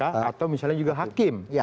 atau misalnya juga hakim